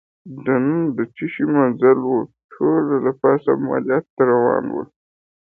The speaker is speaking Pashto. دننه څه چي مېزونه ول، د ټولو له پاسه عملیات روان ول.